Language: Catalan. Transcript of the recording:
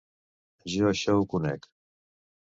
Jo això ho conec!…